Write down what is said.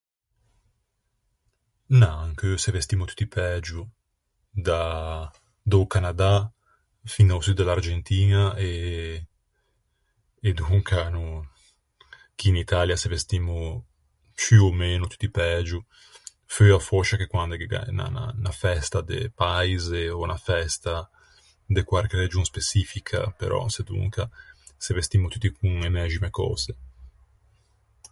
Na, ancheu se vestimmo tutti pægio. Da, da-o Canadà fin a-o Sud de l'Argentiña, e, e donca no, chì in Italia se vestimmo ciù ò meno tutti pægio. Feua fòscia che quande gh'é unna unna unna festa de de paise, ò unna festa de quarche region speçifica, però sedonca se vestimmo tutti con e mæxime cöse.